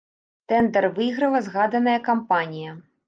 Тэндар выйграла згаданая кампанія.